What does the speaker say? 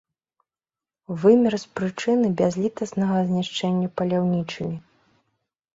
Вымер з прычыны бязлітаснага знішчэння паляўнічымі.